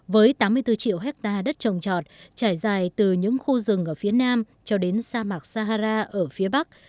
với tám mươi bốn triệu hectare đất trồng trọt trải dài từ những khu rừng ở phía nam cho đến sa mạc sahara ở phía bắc